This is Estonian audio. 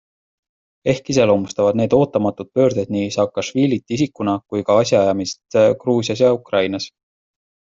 Ehk iseloomustavad need ootamatud pöörded nii Saakašvilit isikuna kui ka asjaajamist Gruusias ja Ukrainas.